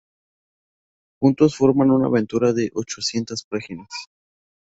Juntos forman una aventura de ochocientas páginas.